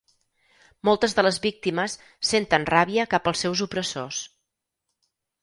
Moltes de les víctimes senten ràbia cap als seus opressors.